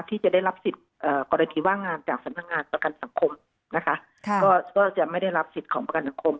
ที่จะได้รับสิทธิ์กรณีว่างงานจากสำนักงานประกันสังคมนะคะก็จะไม่ได้รับสิทธิ์ของประกันสังคม